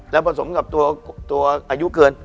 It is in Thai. แล้วผสมกับตัวอายุเกิน